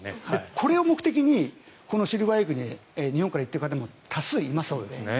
これを目的にこのシルバーウィークに日本から行ってる方も多数いますので。